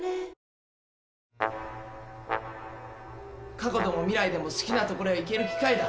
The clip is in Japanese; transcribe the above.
「過去でも未来でも好きな所へ行ける機械だ」